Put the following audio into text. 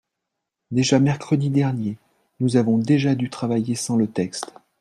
Déjà mercredi dernier, nous avons déjà dû travailler sans le texte.